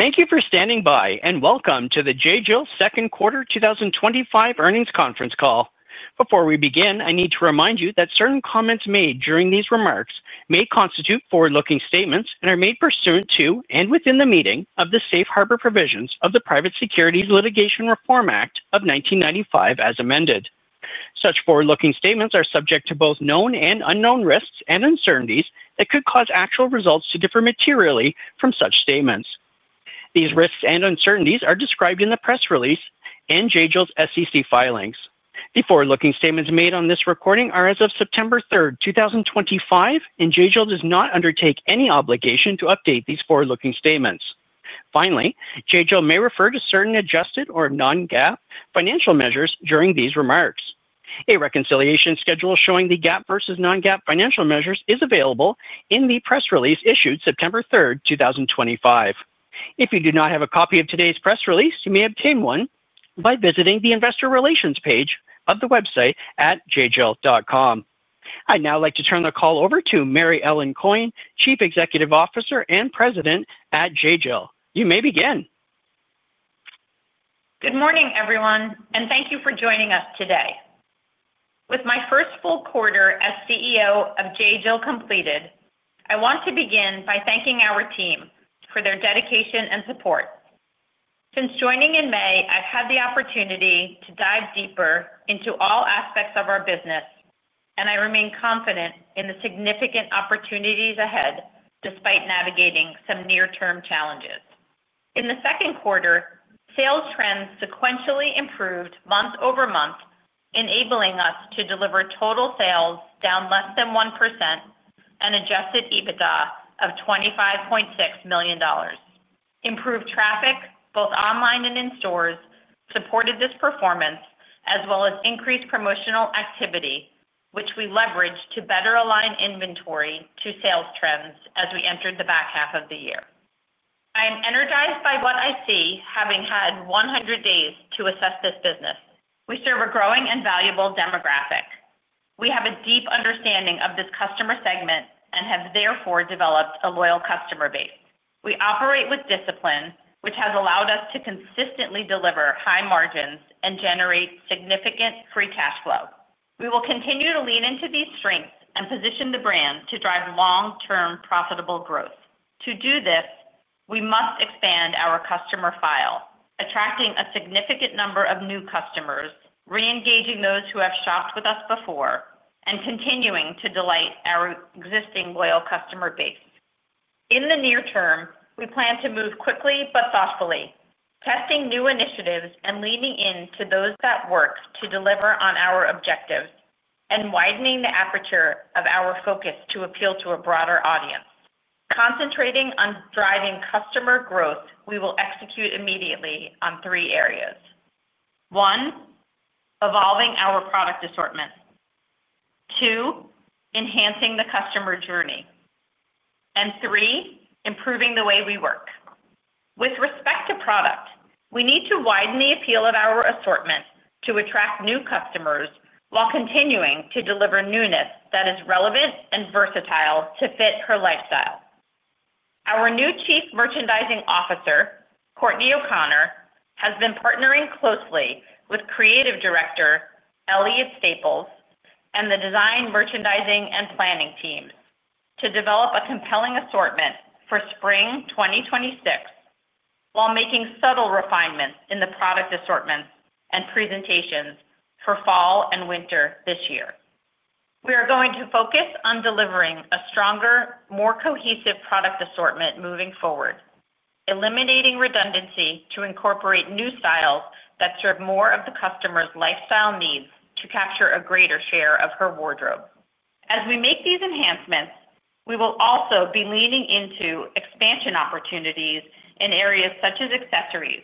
Thank you for standing by and welcome to J.Jill's Second Quarter 2025 Earnings Conference Call. Before we begin, I need to remind you that certain comments made during these remarks may constitute forward-looking statements and are made pursuant to and within the meaning of the safe harbor provisions of the Private Securities Litigation Reform Act of 1995, as amended. Such forward-looking statements are subject to both known and unknown risks and uncertainties that could cause actual results to differ materially from such statements. These risks and uncertainties are described in the press release and J.Jill's SEC filings. The forward-looking statements made on this recording are as of September 3, 2025, and J.Jill does not undertake any obligation to update these forward-looking statements. Finally, J.Jill may refer to certain adjusted or non-GAAP financial measures during these remarks. A reconciliation schedule showing the GAAP versus non-GAAP financial measures is available in the press release issued September 3, 2025. If you do not have a copy of today's press release, you may obtain one by visiting the Investor Relations page of the website at JJill.com. I'd now like to turn the call over to Mary Ellen Coyne, Chief Executive Officer and President at J.Jill. You may begin. Good morning, everyone, and thank you for joining us today. With my first full quarter as CEO of J.Jill completed, I want to begin by thanking our team for their dedication and support. Since joining in May, I've had the opportunity to dive deeper into all aspects of our business, and I remain confident in the significant opportunities ahead, despite navigating some near-term challenges. In the second quarter, sales trends sequentially improved month over month, enabling us to deliver total sales down less than 1% and an adjusted EBITDA of $25.6 million. Improved traffic, both online and in stores, supported this performance, as well as increased promotional activity, which we leveraged to better align inventory to sales trends as we entered the back half of the year. I am energized by what I see, having had 100 days to assess this business. We serve a growing and valuable demographic. We have a deep understanding of this customer segment and have therefore developed a loyal customer base. We operate with discipline, which has allowed us to consistently deliver high margins and generate significant free cash flow. We will continue to lean into these strengths and position the brand to drive long-term profitable growth. To do this, we must expand our customer file, attracting a significant number of new customers, re-engaging those who have shopped with us before, and continuing to delight our existing loyal customer base. In the near- term, we plan to move quickly but thoughtfully, testing new initiatives and leaning into those that work to deliver on our objectives, and widening the aperture of our focus to appeal to a broader audience. Concentrating on driving customer growth, we will execute immediately on three areas: one, evolving our product assortment; two, enhancing the customer journey; and three, improving the way we work. With respect to product, we need to widen the appeal of our assortment to attract new customers while continuing to deliver newness that is relevant and versatile to fit her lifestyle. Our new Chief Merchandising Officer, Courtney O’Connor, has been partnering closely with Creative Director Elliot Staples and the Design Merchandising and Planning team to develop a compelling assortment for spring 2026, while making subtle refinements in the product assortments and presentations for fall and winter this year. We are going to focus on delivering a stronger, more cohesive product assortment moving forward, eliminating redundancy to incorporate new styles that serve more of the customer's lifestyle needs to capture a greater share of her wardrobe. As we make these enhancements, we will also be leaning into expansion opportunities in areas such as accessories,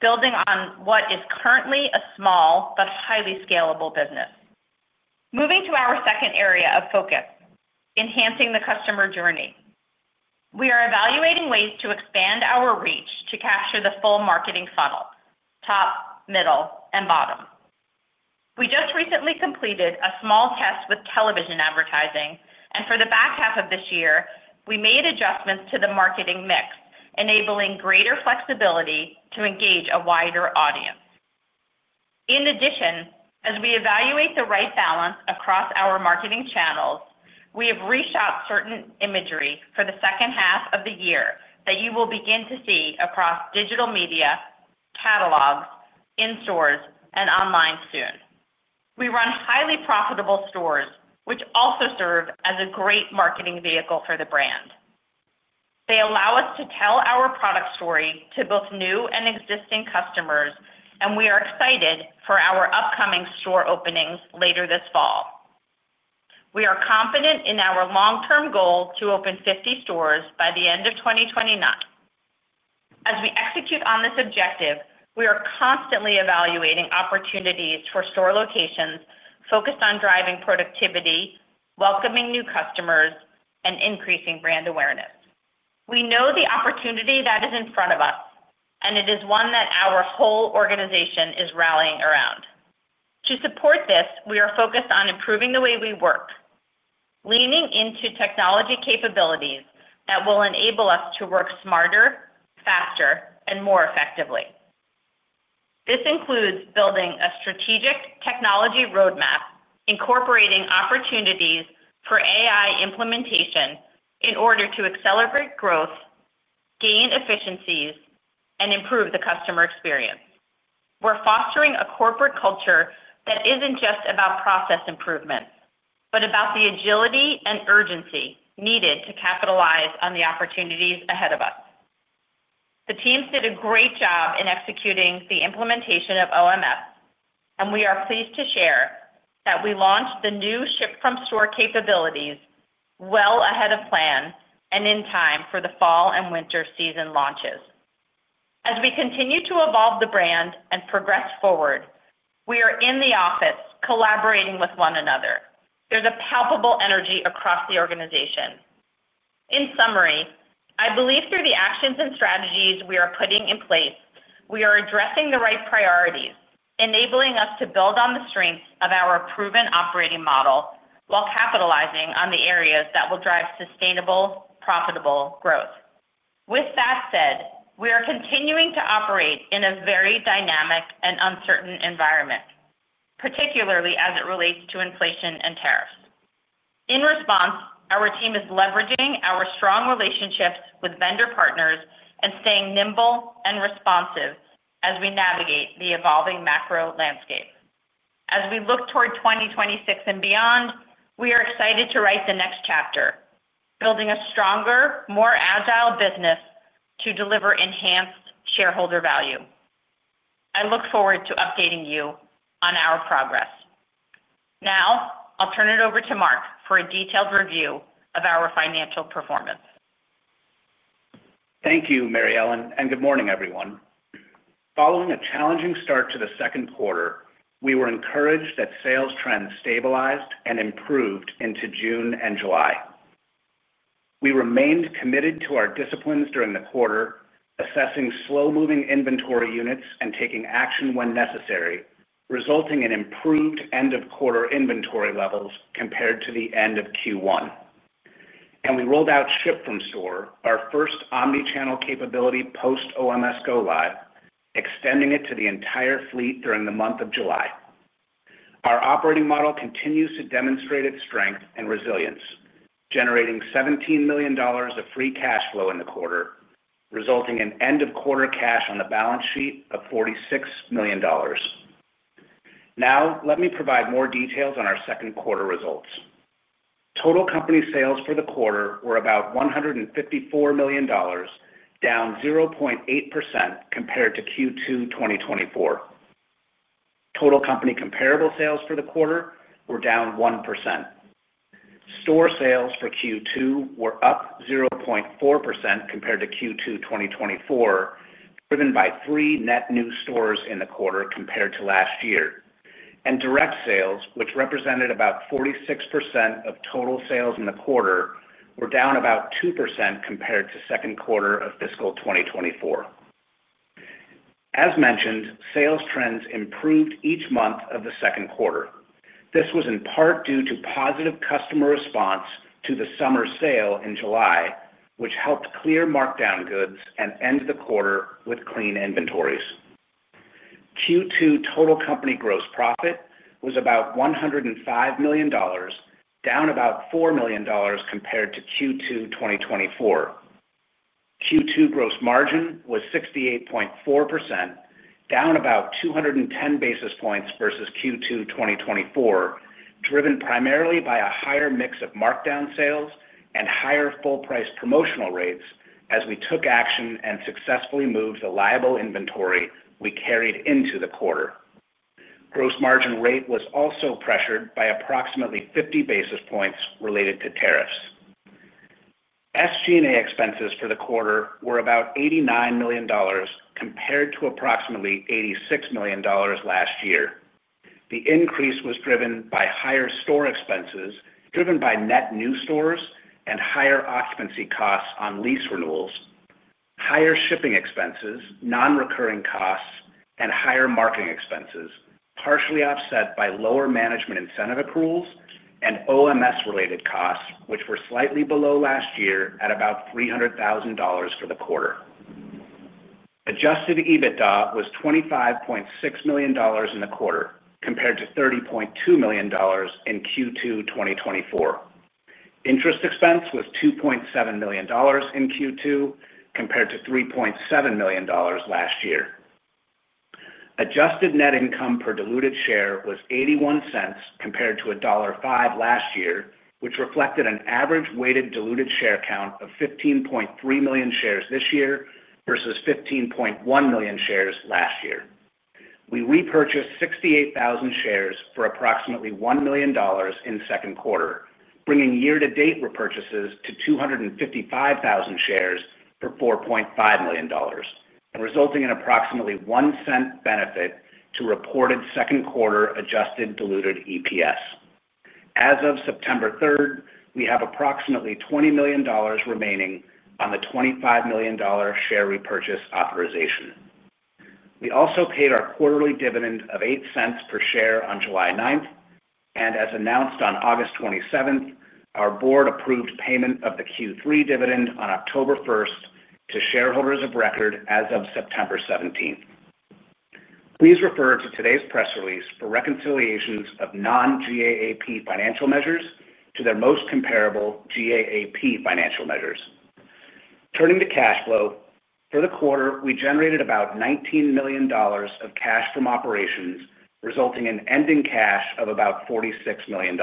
building on what is currently a small but highly scalable business. Moving to our second area of focus, enhancing the customer journey, we are evaluating ways to expand our reach to capture the full marketing funnel: top, middle, and bottom. We just recently completed a small test with television advertising, and for the back half of this year, we made adjustments to the marketing mix, enabling greater flexibility to engage a wider audience. In addition, as we evaluate the right balance across our marketing channels, we have reshot certain imagery for the second half of the year that you will begin to see across digital media, catalogs, in stores, and online soon. We run highly profitable stores, which also serve as a great marketing vehicle for the brand. They allow us to tell our product story to both new and existing customers, and we are excited for our upcoming store openings later this fall. We are confident in our long-term goal to open 50 stores by the end of 2029. As we execute on this objective, we are constantly evaluating opportunities for store locations focused on driving productivity, welcoming new customers, and increasing brand awareness. We know the opportunity that is in front of us, and it is one that our whole organization is rallying around. To support this, we are focused on improving the way we work, leaning into technology capabilities that will enable us to work smarter, faster, and more effectively. This includes building a strategic technology roadmap, incorporating opportunities for AI implementation in order to accelerate growth, gain efficiencies, and improve the customer experience. We're fostering a corporate culture that isn't just about process improvement, but about the agility and urgency needed to capitalize on the opportunities ahead of us. The team did a great job in executing the implementation of OMS, and we are pleased to share that we launched the new ship-from-store capabilities well ahead of plan and in time for the fall and winter season launches. As we continue to evolve the brand and progress forward, we are in the office collaborating with one another. There's a palpable energy across the organization. In summary, I believe through the actions and strategies we are putting in place, we are addressing the right priorities, enabling us to build on the strengths of our proven operating model while capitalizing on the areas that will drive sustainable, profitable growth. With that said, we are continuing to operate in a very dynamic and uncertain environment, particularly as it relates to inflation and tariffs. In response, our team is leveraging our strong relationships with vendor partners and staying nimble and responsive as we navigate the evolving macro landscape. As we look toward 2026 and beyond, we are excited to write the next chapter, building a stronger, more agile business to deliver enhanced shareholder value. I look forward to updating you on our progress. Now, I'll turn it over to Mark for a detailed review of our financial performance. Thank you, Mary Ellen, and good morning, everyone. Following a challenging start to the second quarter, we were encouraged that sales trends stabilized and improved into June and July. We remained committed to our disciplines during the quarter, assessing slow-moving inventory units and taking action when necessary, resulting in improved end-of-quarter inventory levels compared to the end of Q1. We rolled out ship-from-store, our first omnichannel capability post-OMS Go Live, extending it to the entire fleet during the month of July. Our operating model continues to demonstrate its strength and resilience, generating $17 million of free cash flow in the quarter, resulting in end-of-quarter cash on the balance sheet of $46 million. Now, let me provide more details on our second quarter results. Total company sales for the quarter were about $154 million, down 0.8% compared to Q2 2024. Total company comparable sales for the quarter were down 1%. Store sales for Q2 were up 0.4% compared to Q2 2024, driven by three net new stores in the quarter compared to last year. Direct sales, which represented about 46% of total sales in the quarter, were down about 2% compared to the second quarter of fiscal 2024. As mentioned, sales trends improved each month of the second quarter. This was in part due to positive customer response to the summer sale in July, which helped clear markdown goods and end the quarter with clean inventories. Q2 total company gross profit was about $105 million, down about $4 million compared to Q2 2024. Q2 gross margin was 68.4%, down about 210 basis points versus Q2 2024, driven primarily by a higher mix of markdown sales and higher full-price promotional rates as we took action and successfully moved the liable inventory we carried into the quarter. Gross margin rate was also pressured by approximately 50 basis points related to tariffs. SG&A expenses for the quarter were about $89 million compared to approximately $86 million last year. The increase was driven by higher store expenses, driven by net new stores and higher occupancy costs on lease renewals, higher shipping expenses, non-recurring costs, and higher marketing expenses, partially offset by lower management incentive accruals and OMS-related costs, which were slightly below last year at about $300,000 for the quarter. Adjusted EBITDA was $25.6 million in the quarter compared to $30.2 million in Q2 2024. Interest expense was $2.7 million in Q2 compared to $3.7 million last year. Adjusted net income per diluted share was $0.81 compared to $1.05 last year, which reflected an average weighted diluted share count of 15.3 million shares this year versus 15.1 million shares last year. We repurchased 68,000 shares for approximately $1 million in the second quarter, bringing year-to-date repurchases to 255,000 shares for $4.5 million, resulting in approximately $0.01 benefit to reported second quarter adjusted diluted EPS. As of September 3, we have approximately $20 million remaining on the $25 million share repurchase authorization. We also paid our quarterly dividend of $0.08 per share on July 9, and as announced on August 27, our Board approved payment of the Q3 dividend on October 1 to shareholders of record as of September 17. Please refer to today's press release for reconciliations of non-GAAP financial measures to their most comparable GAAP financial measures. Turning to cash flow, for the quarter, we generated about $19 million of cash from operations, resulting in ending cash of about $46 million.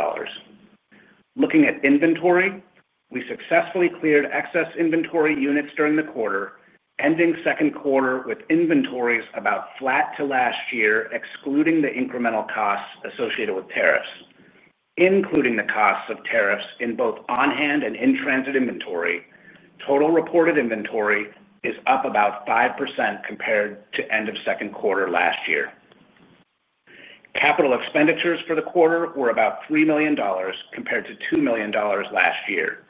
Looking at inventory, we successfully cleared excess inventory units during the quarter, ending the second quarter with inventories about flat to last year, excluding the incremental costs associated with tariffs, including the costs of tariffs in both on-hand and in-transit inventory. Total reported inventory is up about 5% compared to the end of the second quarter last year. Capital expenditures for the quarter were about $3 million compared to $2 million last year.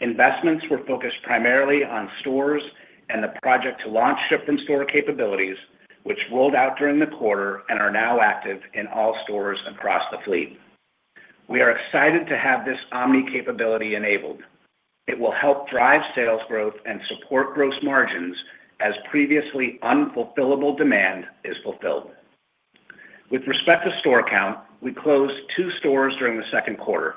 Investments were focused primarily on stores and the project to launch ship-from-store capabilities, which rolled out during the quarter and are now active in all stores across the fleet. We are excited to have this omni-capability enabled. It will help drive sales growth and support gross margins as previously unfulfillable demand is fulfilled. With respect to store count, we closed two stores during the second quarter.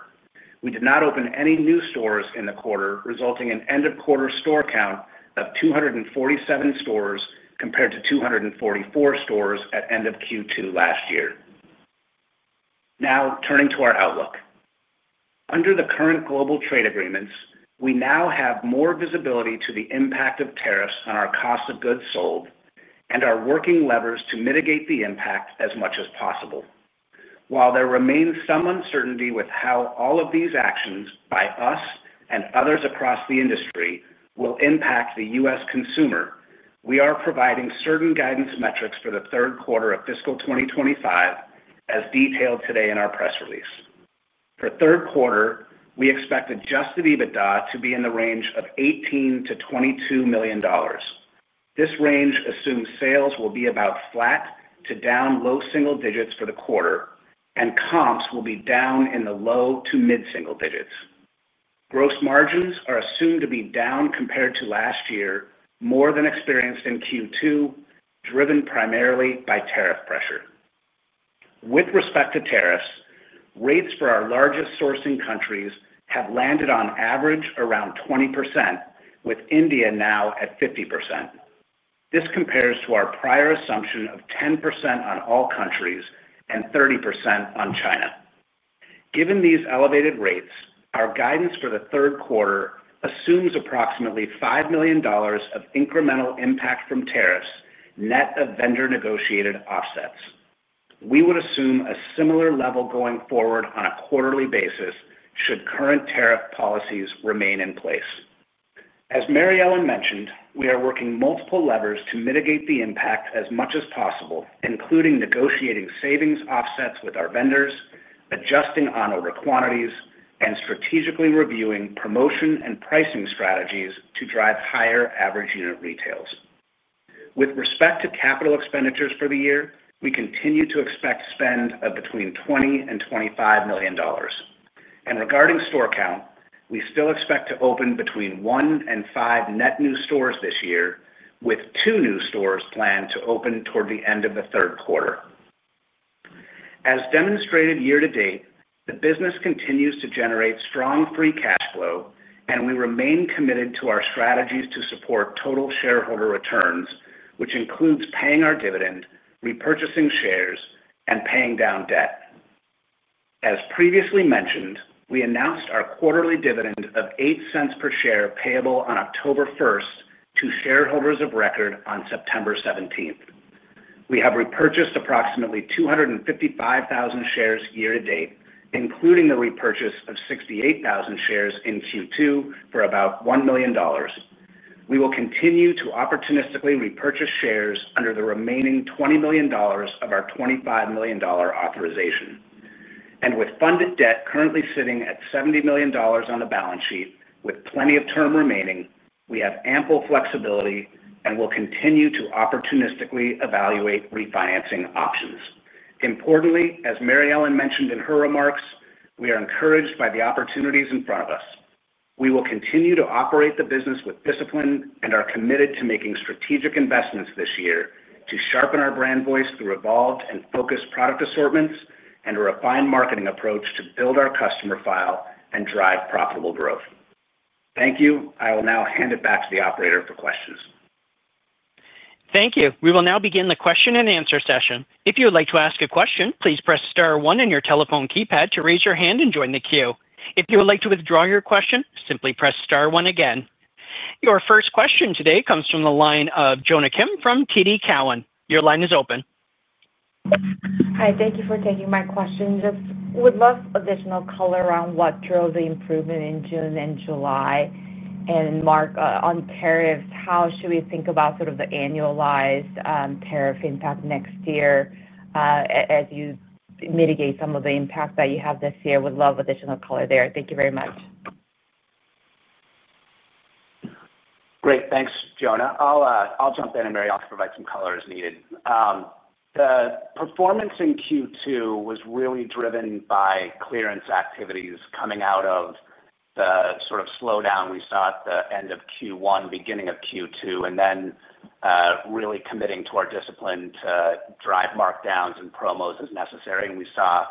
We did not open any new stores in the quarter, resulting in an end-of-quarter store count of 247 stores compared to 244 stores at the end of Q2 last year. Now, turning to our outlook. Under the current global trade agreements, we now have more visibility to the impact of tariffs on our cost of goods sold and are working levers to mitigate the impact as much as possible. While there remains some uncertainty with how all of these actions by us and others across the industry will impact the U.S. consumer, we are providing certain guidance metrics for the third quarter of fiscal 2025, as detailed today in our press release. For the third quarter, we expect adjusted EBITDA to be in the range of $18 million- $22 million. This range assumes sales will be about flat to down low single digits for the quarter, and comps will be down in the low to mid-single digits. Gross margins are assumed to be down compared to last year, more than experienced in Q2, driven primarily by tariff pressure. With respect to tariffs, rates for our largest sourcing countries have landed on average around 20%, with India now at 50%. This compares to our prior assumption of 10% on all countries and 30% on China. Given these elevated rates, our guidance for the third quarter assumes approximately $5 million of incremental impact from tariffs, net of vendor-negotiated offsets. We would assume a similar level going forward on a quarterly basis should current tariff policies remain in place. As Mary Ellen mentioned, we are working multiple levers to mitigate the impact as much as possible, including negotiating savings offsets with our vendors, adjusting on-order quantities, and strategically reviewing promotion and pricing strategies to drive higher average unit retails. With respect to capital expenditures for the year, we continue to expect spend of between $20 million and $25 million. Regarding store count, we still expect to open between one and five net new stores this year, with two new stores planned to open toward the end of the third quarter. As demonstrated year to date, the business continues to generate strong free cash flow, and we remain committed to our strategies to support total shareholder returns, which includes paying our dividend, repurchasing shares, and paying down debt. As previously mentioned, we announced our quarterly dividend of $0.08 per share payable on October 1 to shareholders of record on September 17. We have repurchased approximately 255,000 shares year to date, including the repurchase of 68,000 shares in Q2 for about $1 million. We will continue to opportunistically repurchase shares under the remaining $20 million of our $25 million authorization. With funded debt currently sitting at $70 million on the balance sheet, with plenty of term remaining, we have ample flexibility and will continue to opportunistically evaluate refinancing options. Importantly, as Mary Ellen mentioned in her remarks, we are encouraged by the opportunities in front of us. We will continue to operate the business with discipline and are committed to making strategic investments this year to sharpen our brand voice through evolved and focused product assortments and a refined marketing approach to build our customer file and drive profitable growth. Thank you. I will now hand it back to the operator for questions. Thank you. We will now begin the question- and- answer session. If you would like to ask a question, please press star one on your telephone keypad to raise your hand and join the queue. If you would like to withdraw your question, simply press star one again. Your first question today comes from the line of Jonna Kim from TD Cowen. Your line is open. Hi. Thank you for taking my question. Would love additional color around what drove the improvement in June and July. Mark, on tariffs, how should we think about sort of the annualized tariff impact next year as you mitigate some of the impact that you have this year? Would love additional color there. Thank you very much. Great. Thanks, Jonna. I'll jump in and maybe also provide some color as needed. The performance in Q2 was really driven by clearance activities coming out of the sort of slowdown we saw at the end of Q1, beginning of Q2, and really committing to our discipline to drive markdowns and promos as necessary. We saw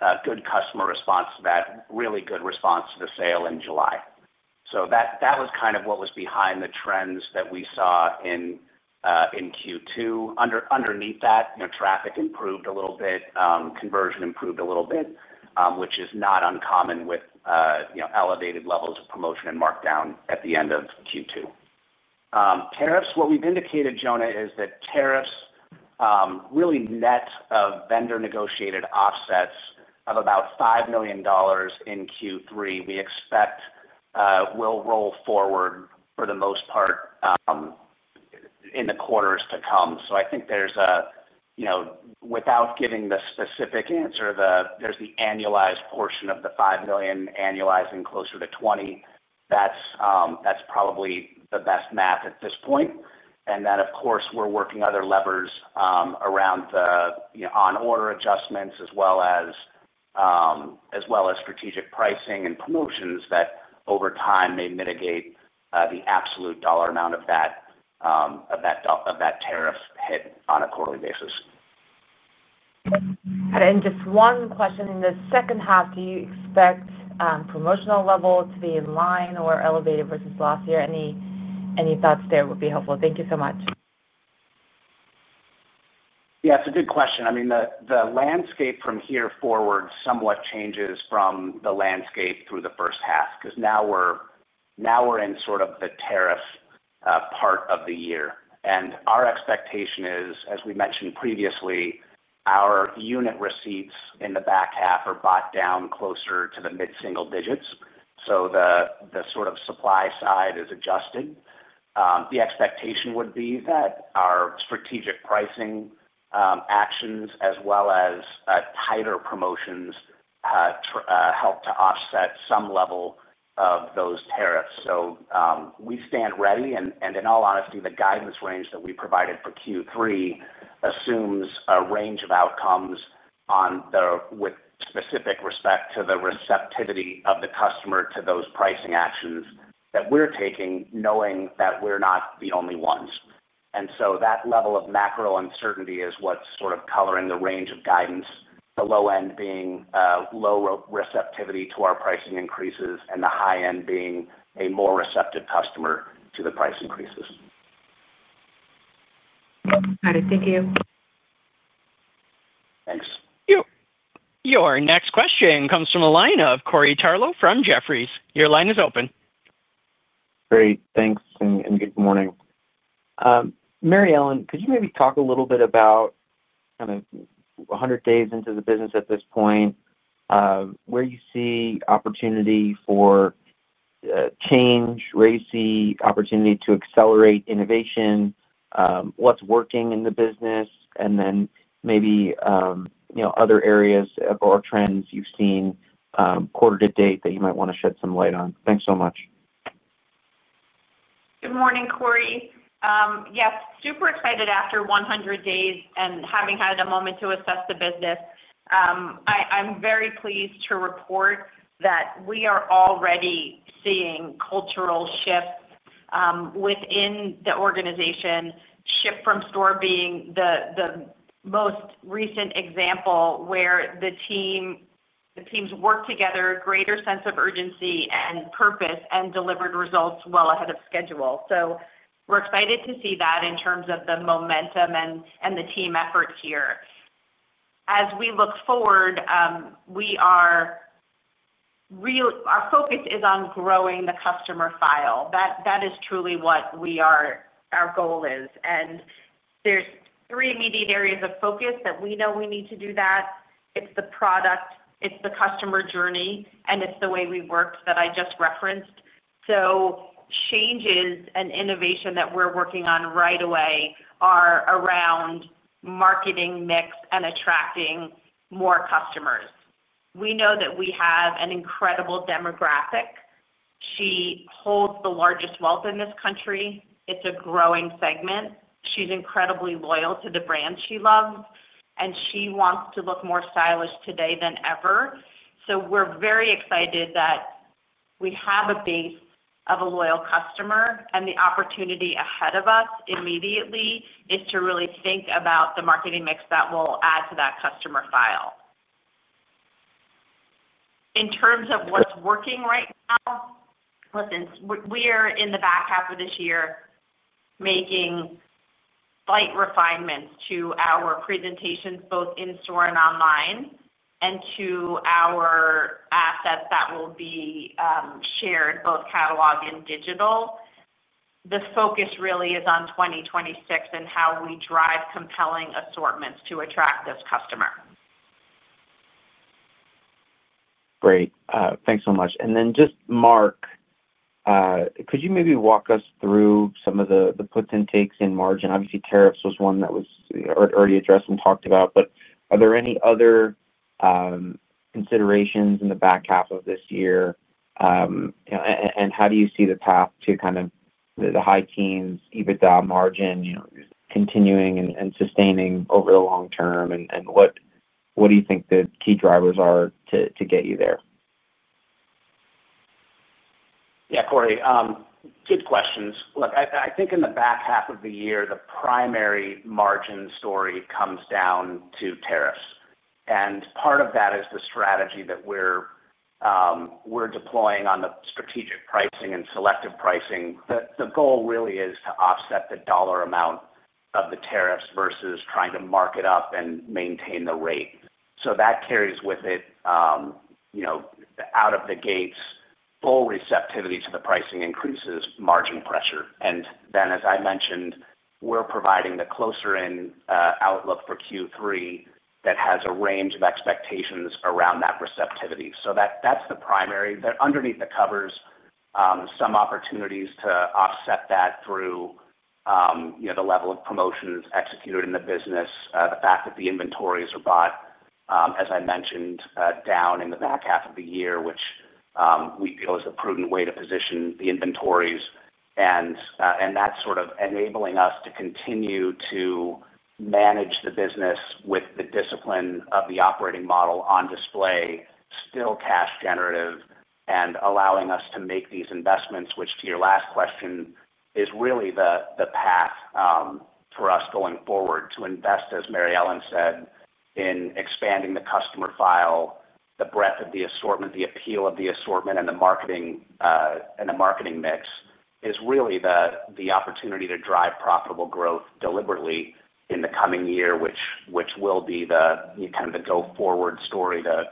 a good customer response to that, really good response to the sale in July. That was what was behind the trends that we saw in Q2. Underneath that, traffic improved a little bit, conversion improved a little bit, which is not uncommon with elevated levels of promotion and markdown at the end of Q2. Tariffs, what we've indicated, Jonna, is that tariffs really net of vendor-negotiated offsets of about $5 million in Q3 we expect will roll forward for the most part in the quarters to come. I think there's, without giving the specific answer, the annualized portion of the $5 million annualizing closer to $20 million. That's probably the best math at this point. Of course, we're working other levers around the on-order adjustments, as well as strategic pricing and promotions that over time may mitigate the absolute dollar amount of that tariff hit on a quarterly basis. Got it. Just one question. In the second half, do you expect promotional level to be in line or elevated versus last year? Any thoughts there would be helpful. Thank you so much. Yeah, it's a good question. I mean, the landscape from here forward somewhat changes from the landscape through the first half because now we're in sort of the tariff part of the year. Our expectation is, as we mentioned previously, our unit receipts in the back half are bought down closer to the mid-single digits. The sort of supply side is adjusted. The expectation would be that our strategic pricing actions, as well as tighter promotions, help to offset some level of those tariffs. We stand ready. In all honesty, the guidance range that we provided for Q3 assumes a range of outcomes with specific respect to the receptivity of the customer to those pricing actions that we're taking, knowing that we're not the only ones. That level of macro uncertainty is what's sort of coloring the range of guidance, the low end being low receptivity to our pricing increases and the high end being a more receptive customer to the price increases. Got it. Thank you. Thanks. Your next question comes from a line of Corey Tarlowe from Jefferies. Your line is open. Great. Thanks. Good morning. Mary Ellen, could you maybe talk a little bit about kind of 100 days into the business at this point, where you see opportunity for change, where you see opportunity to accelerate innovation, what's working in the business, and then maybe other areas or trends you've seen quarter to date that you might want to shed some light on? Thanks so much. Good morning, Corey. Yes, super excited after 100 days and having had a moment to assess the business. I'm very pleased to report that we are already seeing cultural shifts within the organization, ship-from-store being the most recent example where the team's work together, greater sense of urgency and purpose, and delivered results well ahead of schedule. We are excited to see that in terms of the momentum and the team efforts here. As we look forward, our focus is on growing the customer file. That is truly what our goal is. There are three immediate areas of focus that we know we need to do that. It's the product, it's the customer journey, and it's the way we work that I just referenced. Changes and innovation that we're working on right away are around marketing mix and attracting more customers. We know that we have an incredible demographic. She holds the largest wealth in this country. It's a growing segment. She's incredibly loyal to the brand she loves, and she wants to look more stylish today than ever. We are very excited that we have a base of a loyal customer, and the opportunity ahead of us immediately is to really think about the marketing mix that will add to that customer file. In terms of what's working right now, we are in the back half of this year making slight refinements to our presentations, both in-store and online, and to our assets that will be shared, both catalog and digital. The focus really is on 2026 and how we drive compelling assortments to attract this customer. Great, thanks so much. Mark, could you maybe walk us through some of the puts and takes in margin? Obviously, tariffs was one that was already addressed and talked about, but are there any other considerations in the back half of this year? How do you see the path to kind of the high teens EBITDA margin continuing and sustaining over the long- term? What do you think the key drivers are to get you there? Yeah, Corey, good questions. Look, I think in the back half of the year, the primary margin story comes down to tariffs. Part of that is the strategy that we're deploying on the strategic pricing and selective pricing. The goal really is to offset the dollar amount of the tariffs versus trying to mark it up and maintain the rate. That carries with it, out of the gates, full receptivity to the pricing increases margin pressure. As I mentioned, we're providing the closer-in outlook for Q3 that has a range of expectations around that receptivity. That's the primary. Underneath the covers, there are some opportunities to offset that through the level of promotions executed in the business, the fact that the inventories are bought, as I mentioned, down in the back half of the year, which we feel is a prudent way to position the inventories. That is enabling us to continue to manage the business with the discipline of the operating model on display, still cash-generative, and allowing us to make these investments, which to your last question is really the path for us going forward to invest, as Mary Ellen said, in expanding the customer file, the breadth of the assortment, the appeal of the assortment, and the marketing mix is really the opportunity to drive profitable growth deliberately in the coming year, which will be the kind of the go-forward story to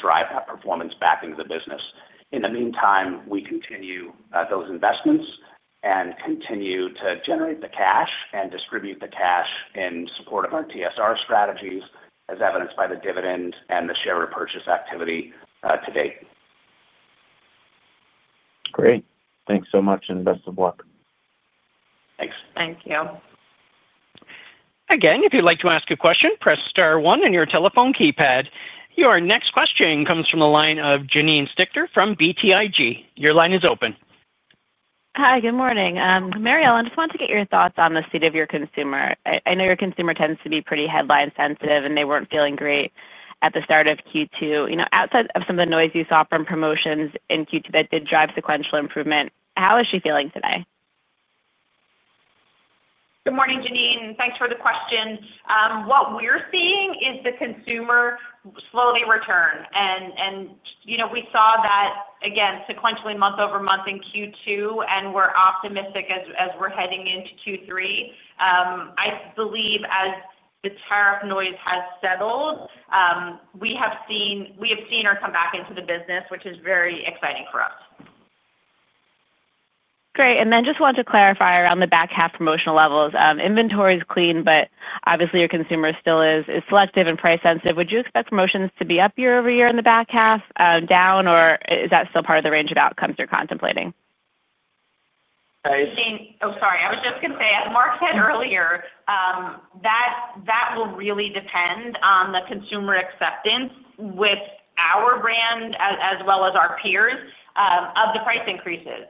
drive that performance back into the business. In the meantime, we continue those investments and continue to generate the cash and distribute the cash in support of our TSR strategies, as evidenced by the dividend and the share repurchase activity to date. Great, thanks so much and best of luck. Thanks. Thank you. Again, if you'd like to ask a question, press star one on your telephone keypad. Your next question comes from the line of Janine Stichter from BTIG. Your line is open. Hi. Good morning. Mary Ellen, I just wanted to get your thoughts on the state of your consumer. I know your consumer tends to be pretty headline sensitive, and they weren't feeling great at the start of Q2. Outside of some of the noise you saw from promotions in Q2 that did drive sequential improvement, how is she feeling today? Good morning, Janine. Thanks for the question. What we're seeing is the consumer slowly return. We saw that, again, sequentially month over month in Q2, and we're optimistic as we're heading into Q3. I believe as the tariff noise has settled, we have seen our comeback into the business, which is very exciting for us. Great. I just wanted to clarify around the back half promotional levels. Inventory is clean, but obviously, your consumer still is selective and price- sensitive. Would you expect promotions to be up year- over- year in the back half, down, or is that still part of the range of outcomes you're contemplating? As Mark said earlier, that will really depend on the consumer acceptance with our brand as well as our peers of the price increases.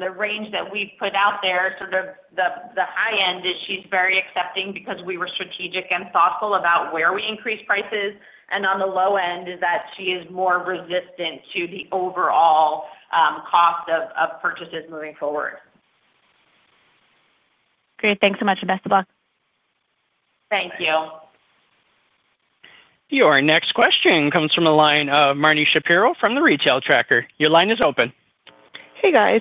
The range that we've put out there, sort of the high end is she's very accepting because we were strategic and thoughtful about where we increased prices. On the low end is that she is more resistant to the overall cost of purchases moving forward. Great, thanks so much and best of luck. Thank you. Your next question comes from the line of Marni Shapiro from The Retail Tracker. Your line is open. Hey, guys.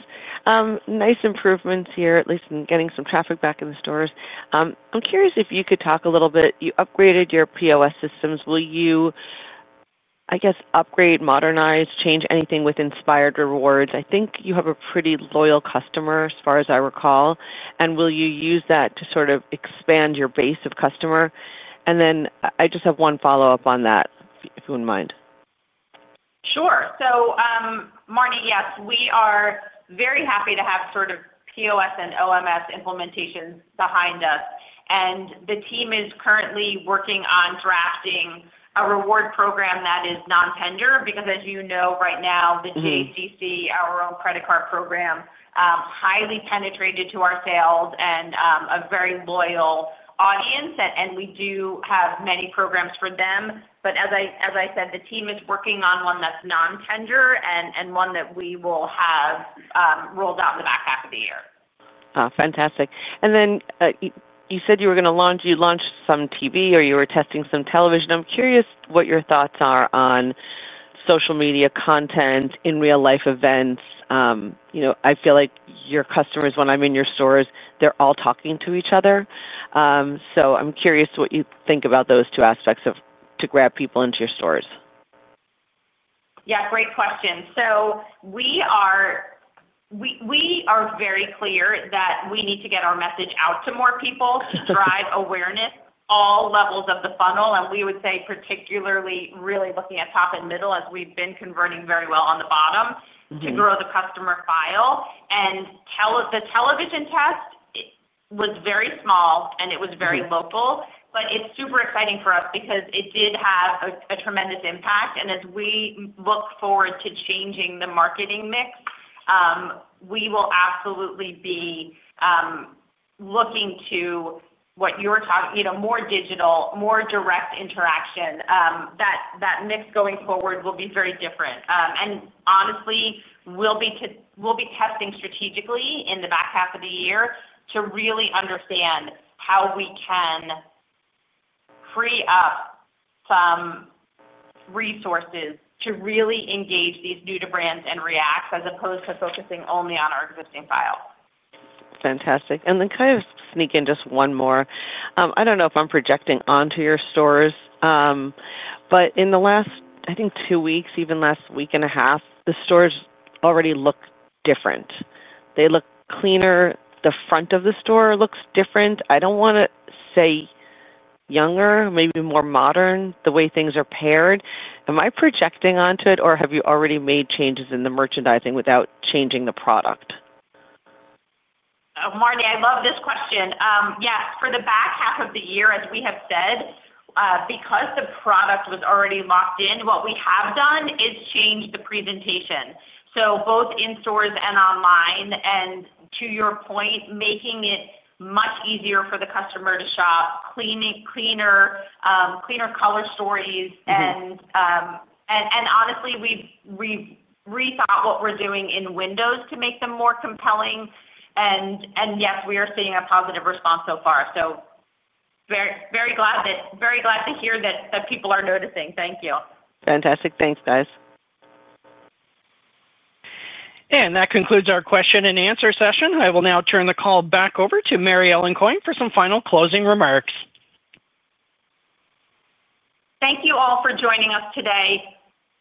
Nice improvements here, at least in getting some traffic back in the stores. I'm curious if you could talk a little bit. You upgraded your POS systems. Will you, I guess, upgrade, modernize, change anything with inspired rewards? I think you have a pretty loyal customer, as far as I recall. Will you use that to sort of expand your base of customer? I just have one follow-up on that, if you wouldn't mind. Sure. Marni, yes, we are very happy to have POS and OMS implementations behind us. The team is currently working on drafting a reward program that is non-tender because, as you know, right now, the GACC, our own credit card program, is highly penetrated to our sales and a very loyal audience. We do have many programs for them. As I said, the team is working on one that's non-tender and one that we will have rolled out in the back half of the year. Fantastic. You said you were going to launch, you launched some TV or you were testing some television. I'm curious what your thoughts are on social media content in real-life events. I feel like your customers, when I'm in your stores, they're all talking to each other. I'm curious what you think about those two aspects to grab people into your stores. Great question. We are very clear that we need to get our message out to more people to drive awareness, all levels of the funnel. We would say particularly really looking at top and middle, as we've been converting very well on the bottom to grow the customer file. The television test was very small, and it was very local. It is super exciting for us because it did have a tremendous impact. As we look forward to changing the marketing mix, we will absolutely be looking to what you were talking, you know, more digital, more direct interaction. That mix going forward will be very different. Honestly, we'll be testing strategically in the back half of the year to really understand how we can free up some resources to really engage these new to brands and react, as opposed to focusing only on our existing file. Fantastic. Can I sneak in just one more? I don't know if I'm projecting onto your stores, but in the last, I think, two weeks, even last week and a half, the stores already look different. They look cleaner. The front of the store looks different. I don't want to say younger, maybe more modern, the way things are paired. Am I projecting onto it, or have you already made changes in the merchandising without changing the product? Marni, I love this question. Yes, for the back half of the year, as we have said, because the product was already locked in, what we have done is change the presentation. Both in stores and online, and to your point, making it much easier for the customer to shop, cleaner color stories. Honestly, we've rethought what we're doing in windows to make them more compelling. Yes, we are seeing a positive response so far. Very glad to hear that people are noticing. Thank you. Fantastic. Thanks, guys. That concludes our question- and- answer session. I will now turn the call back over to Mary Ellen Coyne for some final closing remarks. Thank you all for joining us today.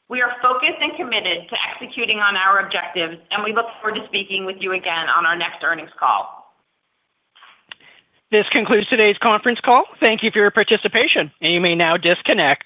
We are focused and committed to executing on our objectives, and we look forward to speaking with you again on our next earnings call. This concludes today's conference call. Thank you for your participation, and you may now disconnect.